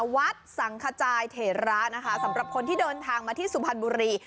วัดสังขจายเถระนะคะสำหรับคนที่เดินทางมาที่สุพรรณบุรี